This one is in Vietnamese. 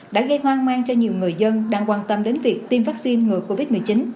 đã gây hoang mang cho nhiều người dân đang quan tâm đến việc tiêm vaccine ngừa covid một mươi chín